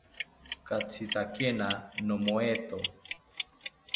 Katzitakena nomoeto